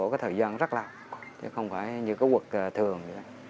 nó cũng đủ thời gian rất là chứ không phải như cái quất thường